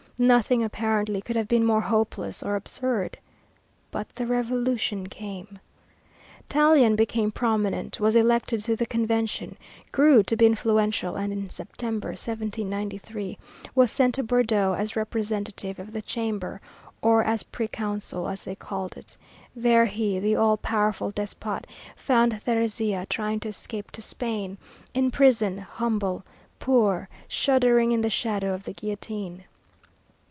Nothing, apparently, could have been more hopeless or absurd. But the Revolution came. Tallien became prominent, was elected to the Convention, grew to be influential, and in September, 1793, was sent to Bordeaux, as representative of the Chamber, or as proconsul, as they called it. There he, the all powerful despot, found Thérézia, trying to escape to Spain, in prison, humble, poor, shuddering in the shadow of the guillotine.